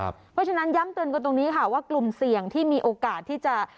เพราะฉะนั้นย้ำเตือนกันตรงนี้ค่ะว่ากลุ่มเสี่ยงที่มีโอกาสที่จะ